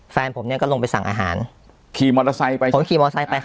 แฟนผมเนี้ยก็ลงไปสั่งอาหารขี่มอเตอร์ไซค์ไป